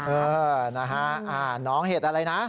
เออน้องเห็ดอะไรนะ